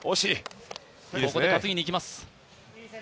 ここで担ぎにいきます。